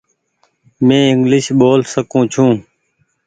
مين انگليش ٻول سڪون ڇي ۔